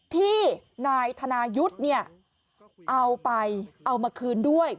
ที่นายธนายุทธ์เนี่ยเอาไปเอามาคืนด้วย